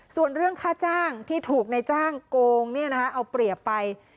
ส่วนเรื่องค่าจ้างที่ถูกในจ้างโกงเอาเปรียบไป